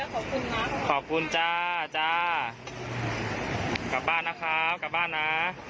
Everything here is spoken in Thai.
ขอบคุณค่ะขอบคุณจ้าจ้ากลับบ้านนะครับกลับบ้านนะ